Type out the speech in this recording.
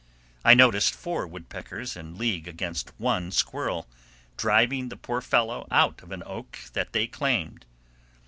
I noticed four woodpeckers in league against one squirrel, driving the poor fellow out of an oak that they claimed.